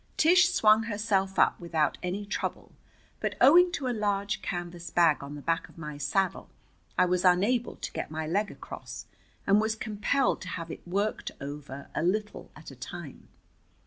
Tish swung herself up without any trouble, but owing to a large canvas bag on the back of my saddle I was unable to get my leg across, and was compelled to have it worked over, a little at a time.